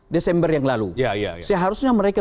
desember yang lalu seharusnya mereka